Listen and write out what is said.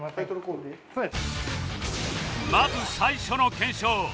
まず最初の検証